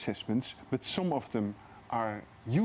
memang membutuhkan banyak waktu